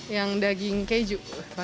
yang daging keju